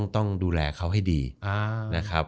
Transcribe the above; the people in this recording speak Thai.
ต้องดูแลเขาให้ดีนะครับ